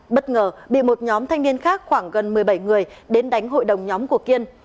bất ngờ bị một nhóm thanh niên khác khoảng gần một mươi bảy người đến đánh hội đồng nhóm của kiên